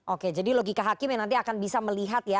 oke jadi logika hakim yang nanti akan bisa melihat ya